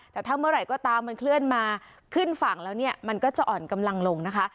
แต่ถ้าเมื่อไหร่ก็ตามมันเคลื่อนมาขึ้นฝั่งแล้วเนี่ยมันก็จะอ่อนกำลังลงนะคะ